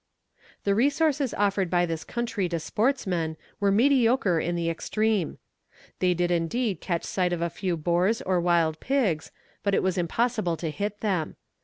The resources offered by this country to sportsmen were mediocre in the extreme. They did indeed catch sight of a few boars or wild pigs, but it was impossible to hit them.